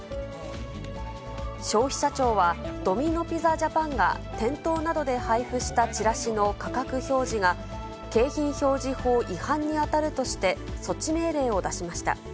消費者庁はドミノ・ピザジャパンが店頭などで配布したチラシの価格表示が、景品表示法違反に当たるとして、措置命令を出しました。